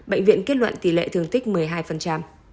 ủy viện kết luận tỷ lệ thường tích một mươi hai